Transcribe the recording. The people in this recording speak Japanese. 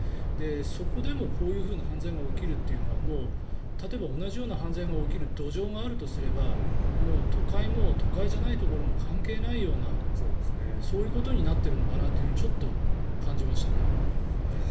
そこでもこういうふうな犯罪が起きるというのは例えば同じような犯罪が起きる土壌があるとすれば都会も都会じゃないところも関係ないようなそういうことになってるのかなと感じましたね。